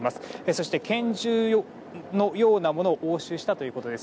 そして拳銃のようなものを押収したということです。